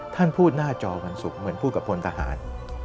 ท่านพูดหน้าจอวันศุกร์เหมือนพูดกับพลทหาร